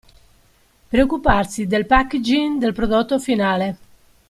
Preoccuparsi del packaging del prodotto finale.